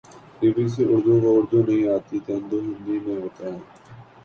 be B C Urdu کو اردو نہیں آتی تیندوا ہندی میں ہوتاہے